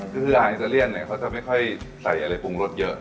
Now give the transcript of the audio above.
คืออาหารอิตาเลียนเนี่ยเขาจะไม่ค่อยใส่อะไรปรุงรสเยอะ